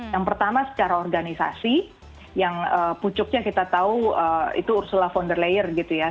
yang pertama secara organisasi yang pucuknya kita tahu itu ursula founder layer gitu ya